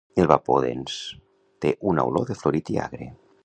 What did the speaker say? El vapor dens té una olor de florit i agre.